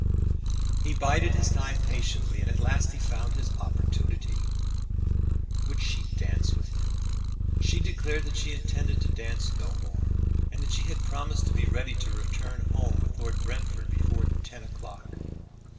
He bided his time patiently, and at last he found his opportunity. "Would she dance with him?" She declared that she intended to dance no more, and that she had promised to be ready to return home with Lord Brentford before ten o'clock.